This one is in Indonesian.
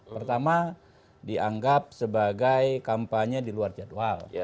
pertama dianggap sebagai kampanye di luar jadwal